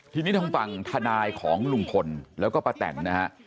ทีนี้ต้องฟังธนายของลุงพลแล้วก็ปะแต่นนะฮะ